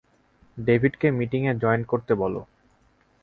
ডেভিডকে মিটিংয়ে জয়েন করতে বলো।